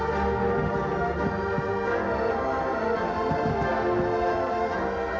สวัสดีครับ